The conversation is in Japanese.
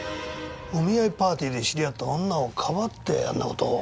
お見合いパーティーで知り合った女をかばってあんなことを。